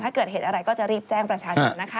ถ้าเกิดเหตุอะไรก็จะรีบแจ้งประชาชนนะคะ